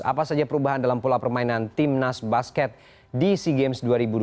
apa saja perubahan dalam pola permainan timnas basket di sea games dua ribu dua puluh